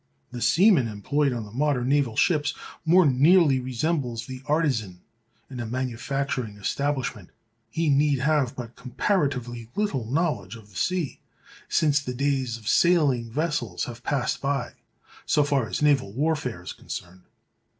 The "seaman" employed on the modern naval ships more nearly resembles the artisan in a manufacturing establishment; he need have but comparatively little knowledge of the sea, since the days of sailing vessels have passed by, so far as naval warfare is concerned.